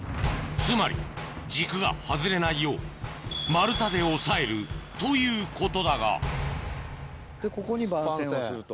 つまり軸が外れないよう丸太で押さえるということだがここに番線をすると。